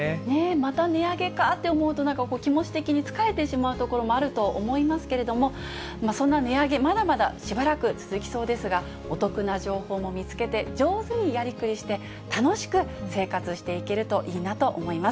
また値上げかって思うと、なんか気持ち的に疲れてしまうところもあると思いますけれども、そんな値上げ、まだまだしばらく続きそうですが、お得な情報も見つけて、上手にやりくりして、楽しく生活していけるといいなと思います。